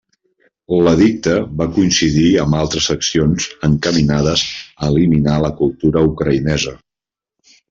L'edicte va coincidir amb altres accions encaminades a eliminar la cultura ucraïnesa.